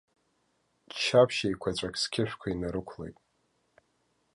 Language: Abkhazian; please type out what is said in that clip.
Ччаԥшь еиқәаҵәак сқьышәқәа инарықәлеит.